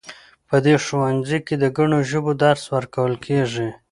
په دې ښوونځي کې د ګڼو ژبو درس ورکول کیږي